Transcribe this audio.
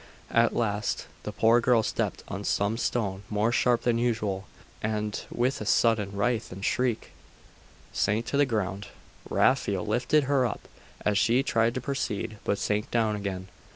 At last the poor girl stepped on some stone more sharp than usual and, with a sudden writhe and shriek, sank to the ground. Raphael lifted her up, and she tried to proceed, but sank down again....